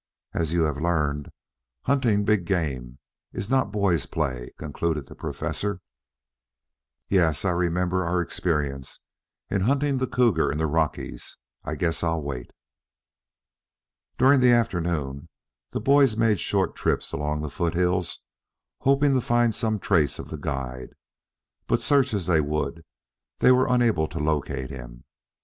As you have learned, hunting big game is not boys' play," concluded the Professor. "Yes, I remember our experience in hunting the cougar in the Rockies. I guess I'll wait." During the afternoon, the boys made short trips along the foothills hoping to find some trace of the guide, but search as they would they were unable to locate him.